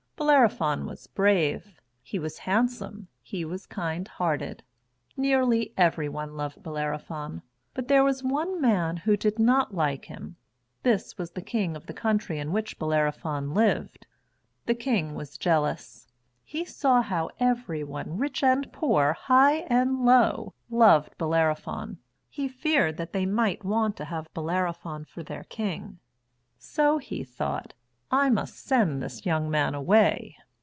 Bellerophon was brave; he was handsome; he was kind hearted. Nearly everyone loved Bellerophon; but there was one man who did not like him. This was the King of the country in which Bellerophon lived. The King was jealous. He saw how everyone, rich and poor, high and low, loved Bellerophon. He feared that they might want to have Bellerophon for their King. So he thought, "I must send this young man away."